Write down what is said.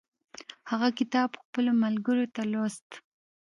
هغه کتاب خپلو ملګرو ته لوست.